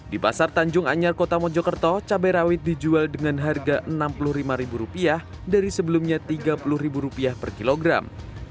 di pasar tanjung anyar kota mojokerto cabai rawit dijual dengan harga rp enam puluh lima dari sebelumnya rp tiga puluh per kilogram